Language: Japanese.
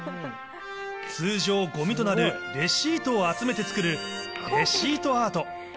通常、ごみとなるレシートを集めて作るレシートアート。